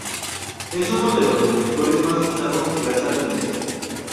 Es uno de los detectores más usados y versátiles.